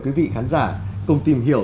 quý vị khán giả cùng tìm hiểu